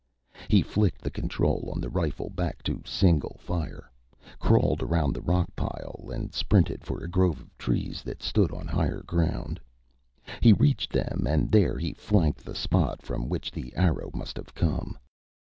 He flicked the control on the rifle back to single fire, crawled around the rock pile and sprinted for a grove of trees that stood on higher ground. He reached them and there he flanked the spot from which the arrow must have come.